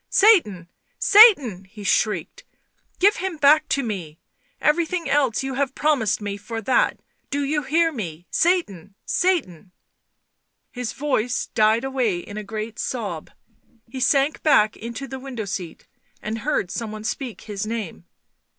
" Satan ! Satan !" he shrieked. " Give him back to me ! Everything else you have promised me for that ! Do you hear me ! Satan ! Satan !" His voice died away in a great sob; he sank back into the window seat, and heard some one speak his name.